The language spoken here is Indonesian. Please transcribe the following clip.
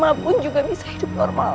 mama pun juga bisa hidup normal